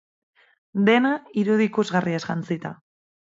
Dena, irudi ikusgarriez jantzita.